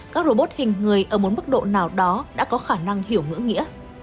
các robot hình người ở một mức độ nào đó đã có khả năng hiểu ngữ nghĩa